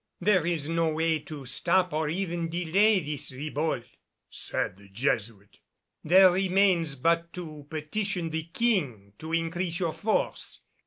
"There is no way to stop or even delay this Ribault," said the Jesuit. "There remains but to petition the King to increase your force.